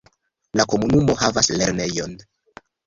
La komunumo havas lernejon.